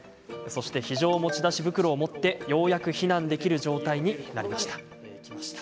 非常持ち出し袋を持ってようやく避難できる状態になりました。